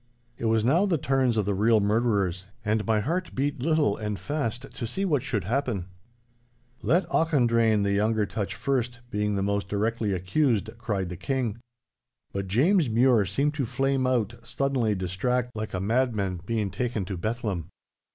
It was now the turns of the real murderers, and my heart beat little and fast to see what should happen. 'Let Auchendrayne the younger touch first, being the more directly accused!' cried the King. But James Mure seemed to flame out suddenly distract, like a madman being taken to Bethlem.